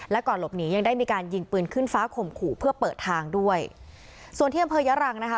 และก่อนหลบหนียังได้มีการยิงปืนขึ้นฟ้าข่มขู่เพื่อเปิดทางด้วยส่วนที่อำเภอยะรังนะคะ